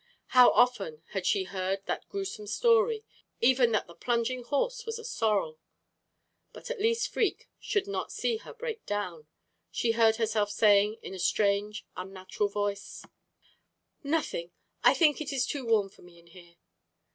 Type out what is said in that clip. How often had she heard that grewsome story even that the plunging horse was a sorrel! But at least Freke should not see her break down. She heard herself saying, in a strange, unnatural voice: "Nothing. I think it is too warm for me in here."